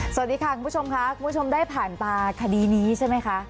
สวัสดีค่ะคุณผู้ชมค่ะคุณผู้ชมได้ผ่านตาคดีนี้ใช่ไหมคะ